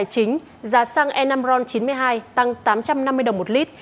giá xăng e năm ron chín mươi hai tăng tám trăm năm mươi đồng một lít